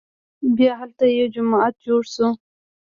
بیا هلته یو جومات جوړ شو.